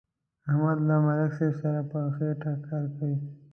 احمد له ملک صاحب سره په خېټه کار کوي.